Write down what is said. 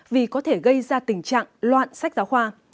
vì có thể gây ra tình trạng loạn sách giáo khoa